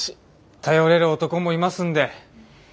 頼れる男もいますんで。